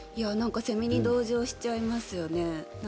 セミに同情しちゃいますよね。